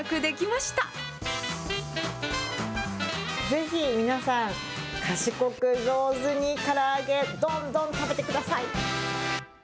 ぜひ皆さん、賢く、上手にから揚げ、どんどん食べてください。